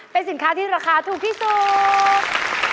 เป็นสินค้าที่ราคาถูกที่สุด